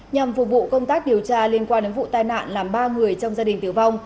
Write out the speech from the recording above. nhằm phục vụ công tác điều tra liên quan đến vụ tai nạn làm ba người trong gia đình tử vong